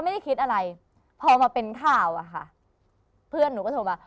ไม่ได้คิดอะไรพอมาเป็นข่าวอะค่ะเพื่อนหนูก็โทรมา